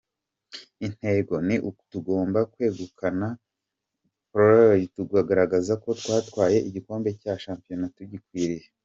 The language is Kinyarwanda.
Intego ni uko tugomba kwegukana playoffs tukagaragaza ko twatwaye igikombe cya shampiyona tugikwiriye.